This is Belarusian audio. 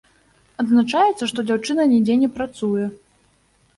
Адзначаецца, што дзяўчына нідзе не працуе.